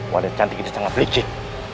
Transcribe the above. wadah cantik ini sangat licik